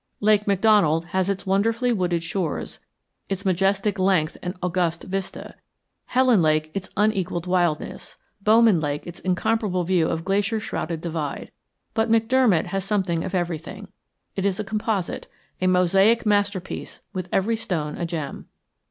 Lake McDonald has its wonderfully wooded shores, its majestic length and august vista; Helen Lake its unequalled wildness; Bowman Lake its incomparable view of glacier shrouded divide. But McDermott has something of everything; it is a composite, a mosaic masterpiece with every stone a gem.